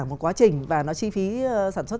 một quá trình và nó chi phí sản xuất